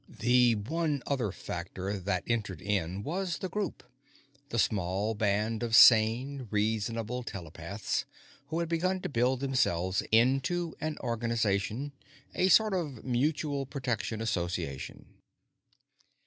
The one other factor that entered in was The Group, the small band of sane, reasonable telepaths who had begun to build themselves into an organization a sort of Mutual Protective Association.